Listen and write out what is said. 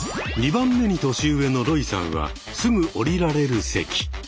２番目に年上のロイさんはすぐ降りられる席。